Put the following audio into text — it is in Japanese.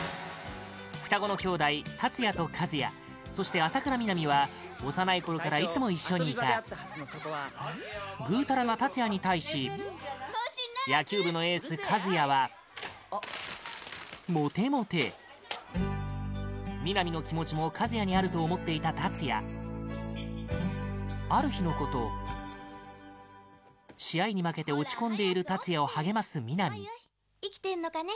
双子の兄弟・達也と和也そして、浅倉南は幼いころからいつも一緒にいたグータラな達也に対し野球部のエース、和也はモテモテ南の気持ちも和也にあると思っていた達也ある日のこと試合に負けて落ち込んでいる達也を励ます南南：生きてんのかね？